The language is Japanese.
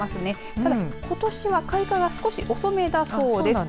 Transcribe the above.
ただことしは開花が少し遅めだそうです。